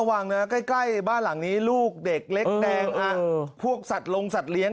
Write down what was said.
อันนี้ลูกเด็กเล็กแดงพวกสัตว์ลงสัตว์เลี้ยง